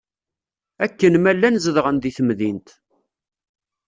Akken ma llan zedɣen di temdint.